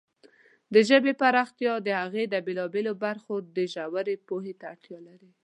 د ژبې پراختیا د هغې د بېلابېلو برخو د ژورې پوهې ته اړتیا لري.